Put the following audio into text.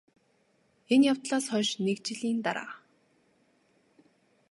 энэ явдлаас хойш НЭГ жилийн дараа